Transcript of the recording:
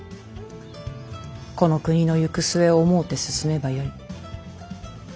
この国の行く末を思うて進めばよい。